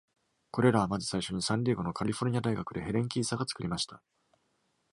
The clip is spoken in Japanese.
これらは、まず最初にサンディエゴのカリフォルニア大学でヘレン・キーサが作りました。